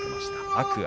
天空海。